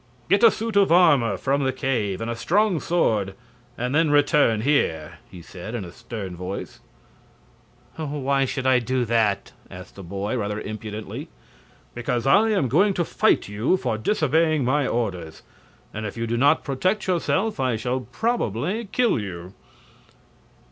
"Get a suit of armor from the cave, and a strong sword, and then return here," he said, in a stern voice. "Why should I do that?" asked the boy, rather impudently. "Because I am going to fight you for disobeying my orders; and if you do not protect yourself I shall probably kill you."